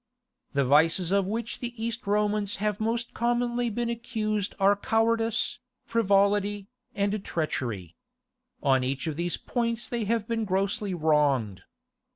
The vices of which the East Romans have most commonly been accused are cowardice, frivolity, and treachery. On each of these points they have been grossly wronged.